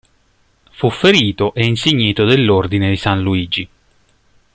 Fu ferito e insignito dell'Ordine di San Luigi.